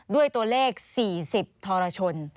ด้วยตัวเลข๔๐ทรชน